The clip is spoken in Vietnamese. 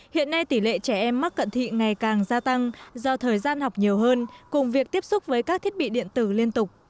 hiện nay tỷ lệ trẻ em mắc cận thị ngày càng gia tăng do thời gian học nhiều hơn cùng việc tiếp xúc với các thiết bị điện tử liên tục